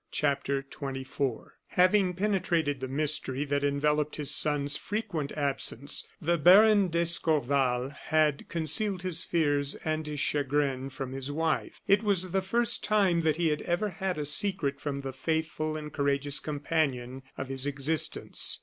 CHAPTER XXIV Having penetrated the mystery that enveloped his son's frequent absence, the Baron d'Escorval had concealed his fears and his chagrin from his wife. It was the first time that he had ever had a secret from the faithful and courageous companion of his existence.